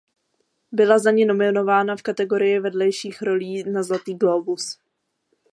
Byla za ni nominována v kategorii vedlejších rolí na Zlatý glóbus.